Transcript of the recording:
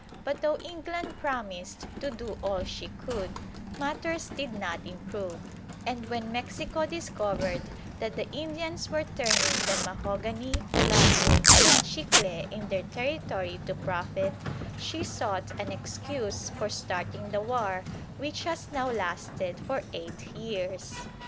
But though England promised to do all she could, matters did not improve; and when Mexico discovered that the Indians were turning the mahogany, logwood, and chicle in their territory to profit, she sought an excuse for starting the war which has now lasted for eight years.